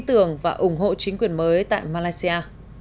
đã tin tưởng và ủng hộ chính quyền mới tại malaysia